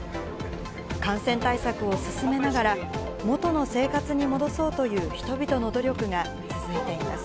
感染対策を進めながら、元の生活に戻そうという人々の努力が続いています。